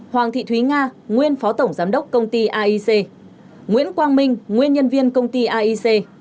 hoàng thị thúy nga nguyên phó tổng giám đốc công ty aic nguyễn quang minh nguyên nhân viên công ty aic